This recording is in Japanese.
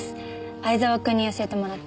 藍沢くんに教えてもらって。